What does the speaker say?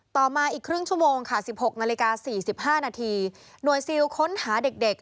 ต่อมาอีกครึ่งชั่วโมงค่ะ๑๖นาฬิกา๔๕นาทีหน่วยซิลค้นหาเด็ก